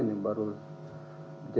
ini baru saja